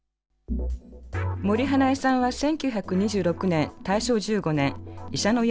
森英恵さんは１９２６年大正１５年医者の家に生まれました。